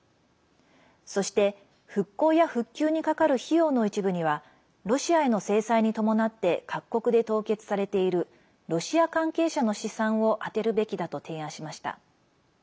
そして、復興や復旧にかかる費用の一部にはロシアへの制裁に伴って各国で凍結されているロシア関係者の資産をあてるべきだと提案しました。